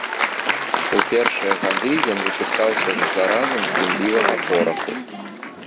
У першыя гады ён выпускаўся з зарадам з дымлівага пораху.